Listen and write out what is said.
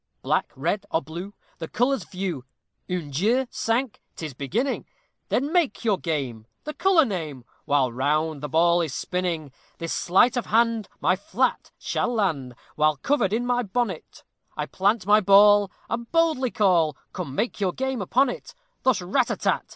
Black, red, or blue, the colors view, Une, deux, cinque, 'tis beginning, Then make your game, The color name, While round the ball is spinning. This sleight of hand my flat shall land While covered by my bonnet, I plant my ball, and boldly call, Come make your game upon it! Thus rat a tat!